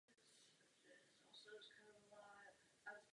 Zároveň je kvalifikační akcí pro mistrovství světa ve víceboji.